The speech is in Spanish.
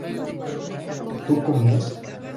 tú comías